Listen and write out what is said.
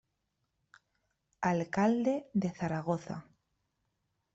Alcalde de Zaragoza.